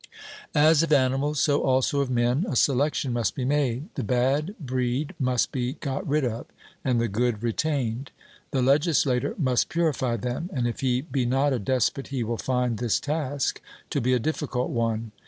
As of animals, so also of men, a selection must be made; the bad breed must be got rid of, and the good retained. The legislator must purify them, and if he be not a despot he will find this task to be a difficult one.